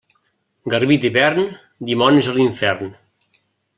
Garbí d'hivern, dimonis a l'infern.